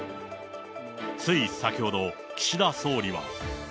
つい先ほど、岸田総理は。